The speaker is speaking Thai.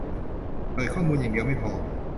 เปิดข้อมูลอย่างเดียวไม่พอ